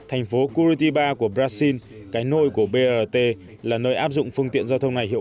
thành phố kurityba của brazil cái nôi của brt là nơi áp dụng phương tiện giao thông này hiệu